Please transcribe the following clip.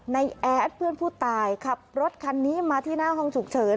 แอดเพื่อนผู้ตายขับรถคันนี้มาที่หน้าห้องฉุกเฉิน